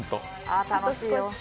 あ、楽しいよ。